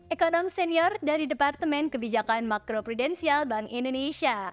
ekonom senior dari departemen kebijakan makro prudensial bank indonesia